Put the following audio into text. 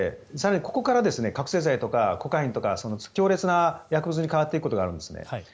ここから覚醒剤とかコカインとか強烈な薬物に変わっていくことがあるんですね。